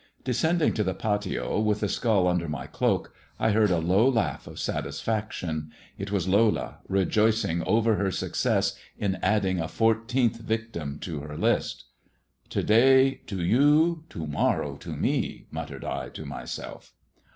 Descending to the patio with the skull under my cloak, I heard a low laugh of satisfaction. It was Lola rejoicing over her success in adding a fourteenth victim to her list " To day to you, to morrow to me," muttered I to myself.